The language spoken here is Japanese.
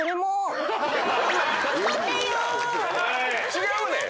違うねん！